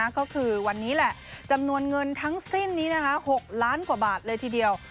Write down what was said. ก็คือวันนี้แหละจำนวนเงินทั้งสิ้นนี้๖ล้านกว่าบาทเลยทีเดียว